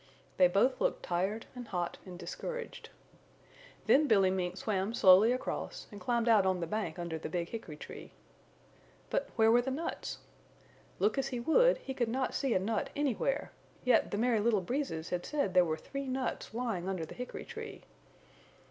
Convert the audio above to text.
They both looked tired and hot and discouraged. Then Billy Mink swam slowly across and climbed out on the bank under the big hickory tree. But where were the nuts? Look as he would, he could not see a nut anywhere, yet the Merry Little Breezes had said there were three nuts lying under the hickory tree.